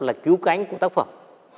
là cứu cánh của tác phẩm